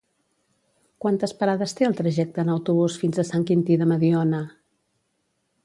Quantes parades té el trajecte en autobús fins a Sant Quintí de Mediona?